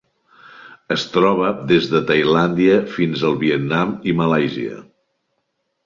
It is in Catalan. Es troba des de Tailàndia fins al Vietnam i Malàisia.